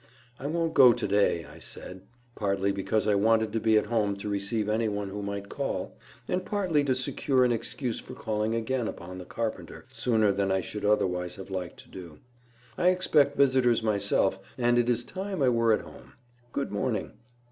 "I won't go to day," I said, partly because I wanted to be at home to receive any one who might call, and partly to secure an excuse for calling again upon the carpenter sooner than I should otherwise have liked to do. "I expect visitors myself, and it is time I were at home. Good morning."